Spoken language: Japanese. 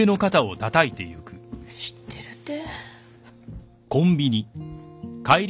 知ってるて。